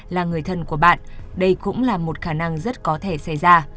là người thân của bạn đây cũng là một khả năng rất có thể xảy ra